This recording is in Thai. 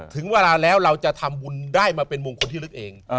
ถึงเวลาแล้วเราจะทำบุญได้มาเป็นมงคลที่ลึกเอง